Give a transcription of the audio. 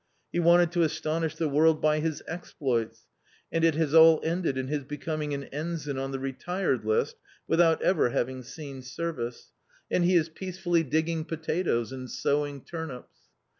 He wanted to astonish the world by his exploits, and it has all ended in his becoming an ensign on the retired list without ever having seen service ; and he is peacefully 264 A COMMON STORY digging potatoes and sowing turnips.